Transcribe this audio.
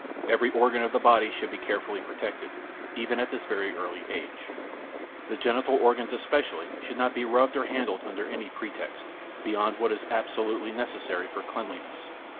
Every organ of the body should be carefully protected, even at this early age. The genital organs, especially, should not be rubbed or handled under any pretext, beyond what is absolutely necessary for cleanliness.